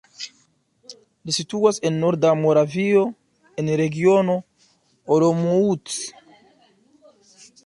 Ĝi situas en norda Moravio, en Regiono Olomouc.